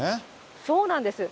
そうなんです。